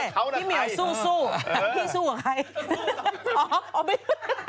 พี่เหมียวสู้พี่สู้กับใคร